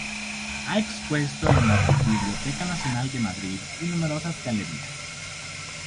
Ha expuesto en la Biblioteca Nacional de Madrid y numerosas galerías.